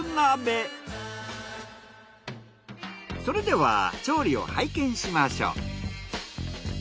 それでは調理を拝見しましょう。